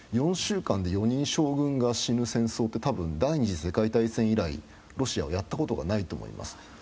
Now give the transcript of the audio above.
４週間で４人将軍が死ぬ戦争って多分、第２次世界大戦以来ロシアはやったことがないと思います。